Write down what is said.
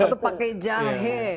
atau pakai jahe